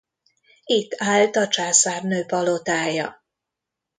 Itt állt a császárnő palotája.